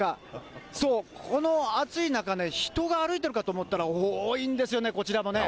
この暑い中ね、人が歩いてるかと思ったら、多いんですよね、こちらもね。